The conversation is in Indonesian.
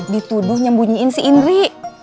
dituduh nyembunyiin si indri